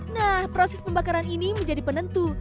nah proses pembakaran ini menjadi penentu